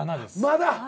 まだ？